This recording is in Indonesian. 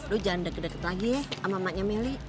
lu jangan deket deket lagi ya sama maknya melly